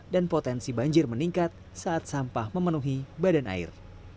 dan potensi banjir meningkat saat sampah memenuhi badan air